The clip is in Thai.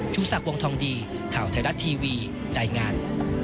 ชุศักดิ์วงธองดีข่าวไทยรัฐทีวีได้งาน